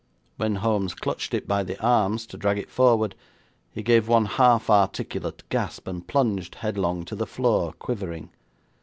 When Holmes clutched it by the arms to drag it forward, he gave one half articulate gasp, and plunged headlong to the floor, quivering.